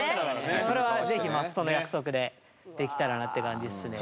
それは是非マストの約束でできたらなって感じっすね。